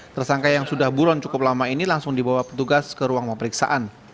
tersangka yang sudah buron cukup lama ini langsung dibawa petugas ke ruang pemeriksaan